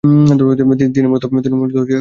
তিনি মূলতঃ গজল এর জন্য বিখ্যাত।